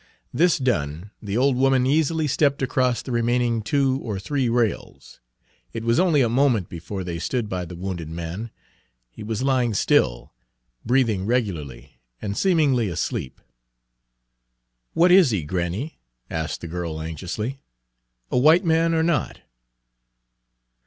This done, the old woman easily stepped across the remaining two or three rails. It was only a moment before they stood by the wounded man. He was lying still, breathing regularly, and seemingly asleep. Page 141 "What is he, granny," asked the girl anxiously, "a w'ite man, or not?"